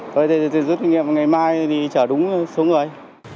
thôi thì rút kinh nghiệm ngày mai thì trở đúng số người